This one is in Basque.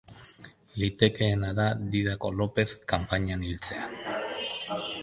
Litekeena da Didako Lopez kanpainan hiltzea.